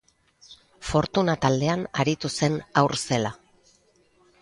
Fortuna taldean aritu zen haur zela.